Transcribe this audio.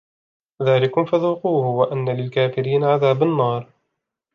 ذَلِكُمْ فَذُوقُوهُ وَأَنَّ لِلْكَافِرِينَ عَذَابَ النَّارِ